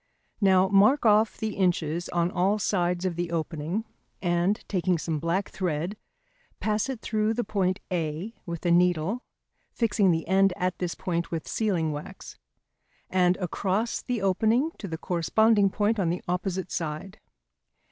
Now mark off the inches on all sides of the opening, and taking some black thread, pass it through the point A with a needle (fixing the end at this point with sealing wax), and across the opening to the corresponding point on the opposite side.